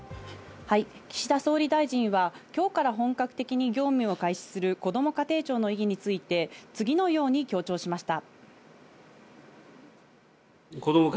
岸田総理大臣は今日から本格的に業務を開始するこども家庭庁の意義について次のように強調しました。